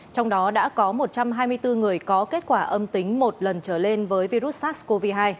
trong đó đã có một trăm hai mươi bốn người có kết quả âm tính một lần trở lên với virus sars cov hai